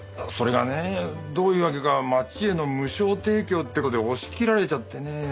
それがねどういうわけか町への無償提供って事で押し切られちゃってね。